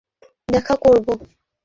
অবশ্যই দেখা করব।